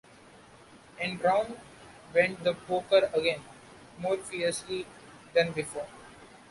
And round went the poker again, more fiercely than before.